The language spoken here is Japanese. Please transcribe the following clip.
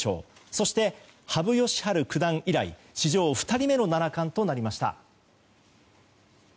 そして羽生善治九段以来史上２人目の七冠となりました。